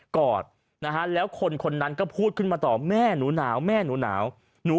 อดนะฮะแล้วคนคนนั้นก็พูดขึ้นมาต่อแม่หนูหนาวแม่หนูหนาวหนู